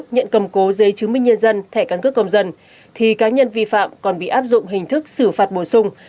nhận cầm cố giấy chứng minh nhân dân thẻ căn cước công dân thì cá nhân vi phạm còn bị áp dụng hình thức xử phạt bổ sung